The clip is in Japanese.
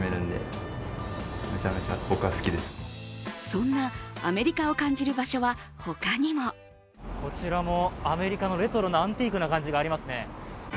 そんなアメリカを感じる場所は他にも。こちらもアメリカのレトロなアンティークな感じがありますね。